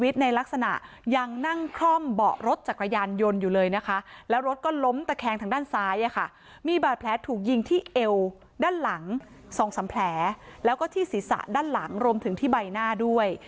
ทรงสำแผลแล้วก็ที่ศีรษะด้านหลังรวมถึงที่ใบหน้าด้วย